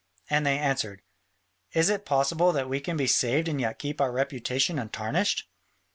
And they answered, "Is it possible that we can be saved and yet keep our reputation untarnished?"